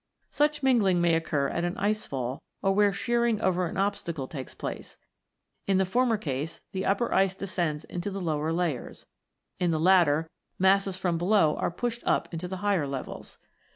Such mingling may occur at an ice fall, or where shearing over an obstacle takes place. In the former case, the upper ice descends into the lower layers ; in the latter, masses from below are pushed up into higher levels.